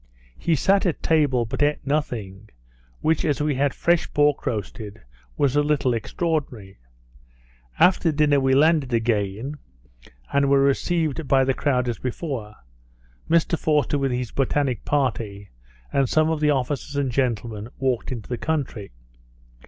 He sat at table but eat nothing, which, as we had fresh pork roasted, was a little extraordinary. After dinner we landed again, and were received by the crowd as before; Mr Forster with his botanical party, and some of the officers and gentlemen, walked into the country.